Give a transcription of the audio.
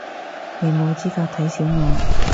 你冇資格睇小我